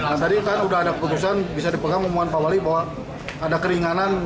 nah tadi kan sudah ada keputusan bisa dipegang omongan pak wali bahwa ada keringanan